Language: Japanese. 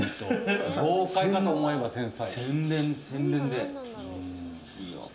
豪快かと思えば繊細。